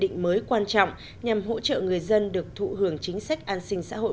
ban hành nhiều quy định mới quan trọng nhằm hỗ trợ người dân được thụ hưởng chính sách an sinh xã hội